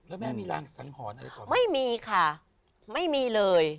แล้วแม่มีรางสังหรณ์อะไรก่อนไม่มีค่ะไม่มีเลย